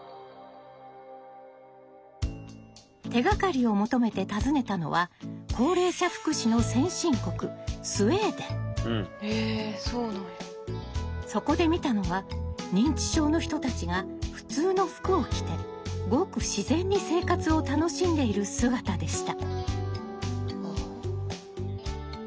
手がかりを求めて訪ねたのはそこで見たのは認知症の人たちが普通の服を着てごく自然に生活を楽しんでいる姿でした。